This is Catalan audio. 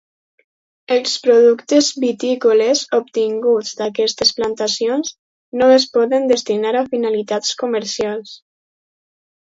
Els productes vitícoles obtinguts d'aquestes plantacions no es poden destinar a finalitats comercials.